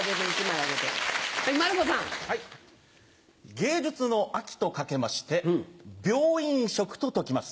「芸術の秋」と掛けまして病院食と解きます。